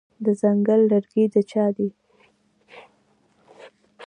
د ځنګل لرګي د چا دي؟